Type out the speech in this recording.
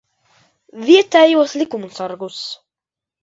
Vietējos likumsargus.